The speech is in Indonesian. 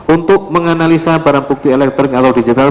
untuk menganalisa barang bukti elektronik atau digital